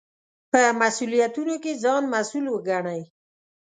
په مسوولیتونو کې ځان مسوول وګڼئ.